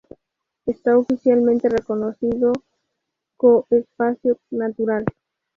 Está oficialmente reconocido coo espacio natural.